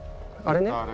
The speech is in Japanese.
あれね。